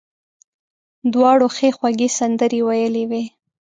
دواړو ښې خوږې سندرې ویلې وې.